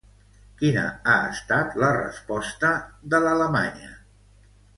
Quina ha estat la resposta de l'alemanya?